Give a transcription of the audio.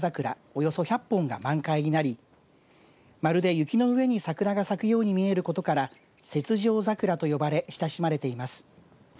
およそ１００本が満開になりまるで雪の上に桜が咲くように見えることから雪上桜と呼ばれ親しまれています。